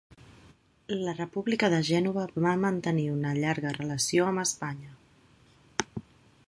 La República de Gènova va mantenir una llarga relació amb Espanya.